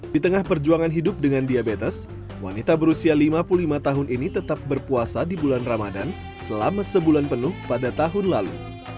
di tengah perjuangan hidup dengan diabetes wanita berusia lima puluh lima tahun ini tetap berpuasa di bulan ramadan selama sebulan penuh pada tahun lalu